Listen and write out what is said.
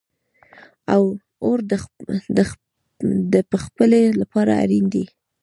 اور د پخلی لپاره اړین دی